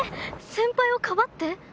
先輩をかばって？